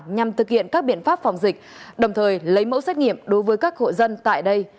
nhằm thực hiện các biện pháp phòng dịch đồng thời lấy mẫu xét nghiệm đối với các hộ dân tại đây